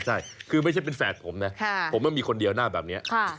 ใช่คือไม่ใช่เป็นแฝดผมนะผมมีคนเดียวหน้าแบบนี้